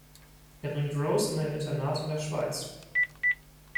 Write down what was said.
Er bringt Rose in ein Internat in der Schweiz.